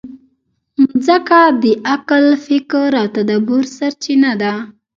مځکه د عقل، فکر او تدبر سرچینه ده.